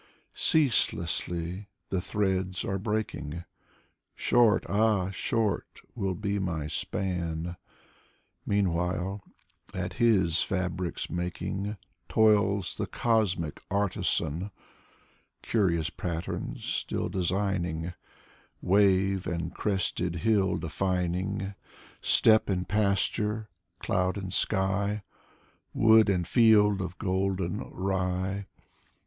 Ceaselessly the threads are breaking,— Short, ah short will be my span ! Meanwhile, at His fabric's making Toils the cosmic Artisan, — Curious patterns still designing, Wave and crested hill defining, Steppe and pasture, cloud and sky, Wood and field of golden rye.